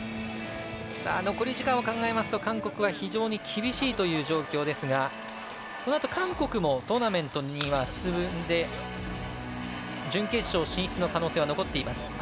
残り時間を考えますと韓国は非常に厳しいという状況ですがこのあと、韓国もトーナメントには進んで準決勝進出の可能性は残っています。